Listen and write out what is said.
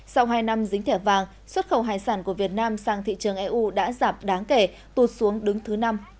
sau hai năm dính thẻ vàng xuất khẩu hải sản của việt nam sang thị trường eu đã giảm đáng kể tụt xuống đứng thứ năm